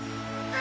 あ？